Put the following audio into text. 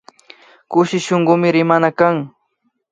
Kushi shunkumi rimana kan